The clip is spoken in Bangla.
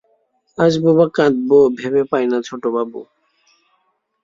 হাসব বা কাঁদব ভেবে পাই না ছোটবাবু।